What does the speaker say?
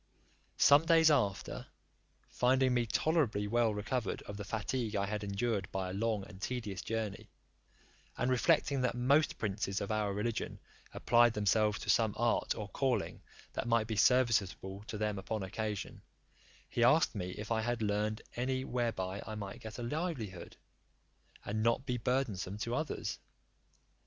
Some days after, finding me tolerably well recovered of the fatigue I had endured by a long and tedious journey, and reflecting that most princes of our religion applied themselves to some art or calling that might be serviceable to them upon occasion, he asked me, if I had learned any whereby I might get a livelihood, and not be burdensome to others?